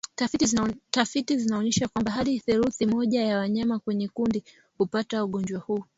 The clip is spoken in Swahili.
Tafiti zinaonyesha kwamba hadi theluthi moja ya wanyama kwenye kundi hupata ugonjwa huu